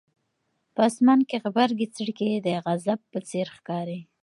په اسمان کې غبرګې څړیکې د غضب په څېر ښکاري.